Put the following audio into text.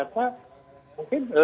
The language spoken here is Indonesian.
kita buat dengan yang lebih baik